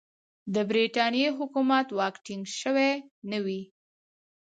د برټانیې حکومت واک ټینګ سوی نه وي.